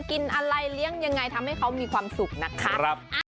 กินอะไรเลี้ยงยังไงทำให้เขามีความสุขนะคะ